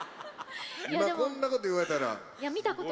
今、こんなこと言われたら。